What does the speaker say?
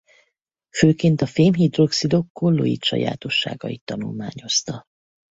Főként a fém-hidroxidok kolloid sajátosságait tanulmányozta.